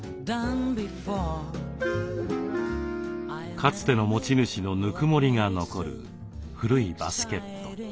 かつての持ち主のぬくもりが残る古いバスケット。